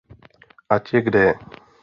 Ať je kde je.